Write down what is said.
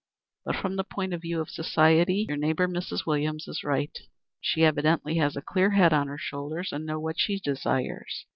But from the point of view of society, your neighbor Mrs. Williams is right. She evidently has a clear head on her shoulders and knows what she desires.